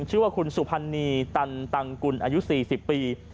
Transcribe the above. ชื่อว่าคุณสุพรรณีตันตังกุลอายุ๔๐ปี